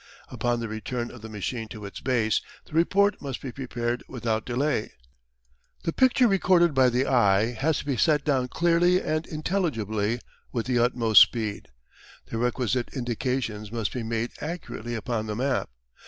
Upon the return of the machine to its base, the report must be prepared without delay. The picture recorded by the eye has to be set down clearly and intelligibly with the utmost speed. The requisite indications must be made accurately upon the map.